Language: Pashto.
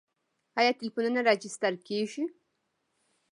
آیا ټلیفونونه راجستر کیږي؟